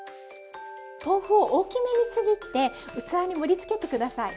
豆腐を大きめにちぎって器に盛りつけて下さい。